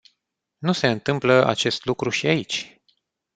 Nu se întâmplă acest lucru și aici.